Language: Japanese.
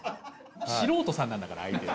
素人さんなんだから相手。